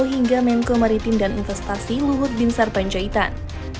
hingga menko maritim dan investasi luhut bin sarpanjaitan